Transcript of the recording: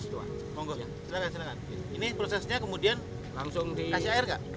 silahkan silahkan ini prosesnya kemudian kasih air